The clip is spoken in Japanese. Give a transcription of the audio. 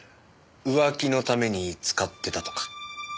浮気のために使ってたとか？